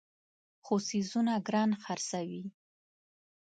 خو څیزونه ګران خرڅوي.